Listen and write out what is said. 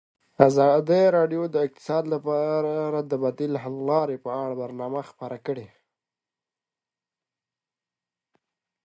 ازادي راډیو د اقتصاد لپاره د بدیل حل لارې په اړه برنامه خپاره کړې.